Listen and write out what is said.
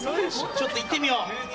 ちょっと行ってみよう。